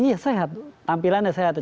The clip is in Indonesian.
iya sehat tuh tampilannya sehat tuh